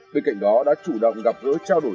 bên cạnh đó đã chủ động gặp gỡ trao đổi